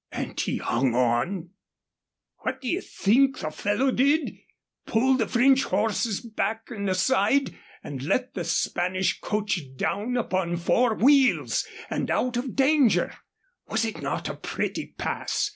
"And he hung on?" "What d'ye think the fellow did? Pulled the French horses back and aside and let the Spanish coach down upon four wheels and out of danger. Was it not a pretty pass?